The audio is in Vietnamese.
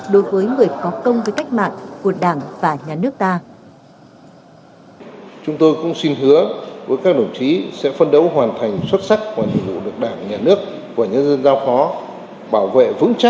đối với người có công với cách mạng của đảng và nhà nước ta